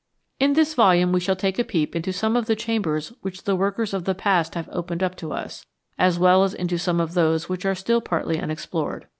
In this volume we shall take a peep into some of the chambers which the workers of the past have opened up to us, as well as into some of those which are still partly unex plored.